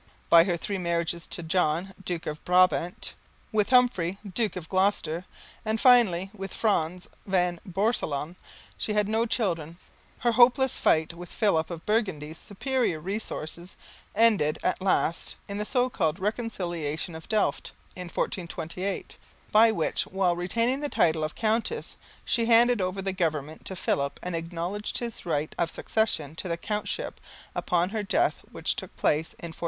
By her three marriages with John, Duke of Brabant, with Humphry, Duke of Gloucester, and, finally, with Frans van Borselen, she had no children. Her hopeless fight with Philip of Burgundy's superior resources ended at last in the so called "Reconciliation of Delft" in 1428, by which, while retaining the title of countess, she handed over the government to Philip and acknowledged his right of succession to the Countship upon her death, which took place in 1436.